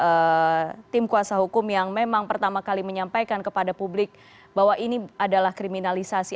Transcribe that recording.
ada tim kuasa hukum yang memang pertama kali menyampaikan kepada publik bahwa ini adalah kriminalisasi